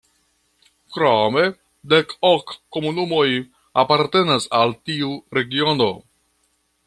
Krome dek-ok komunumoj apartenas al tiu regiono.